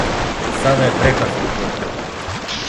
Сада је прекасно за то.